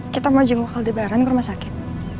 kita mau jenguk kaldebaran ke rumah sakit